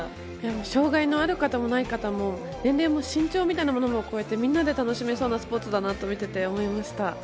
障害のある方も、ない方も年齢も身長みたいなものも超えてみんなで楽しめそうなスポーツだと見ていて思いました。